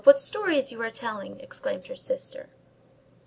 what stories you are telling!" exclaimed her sister.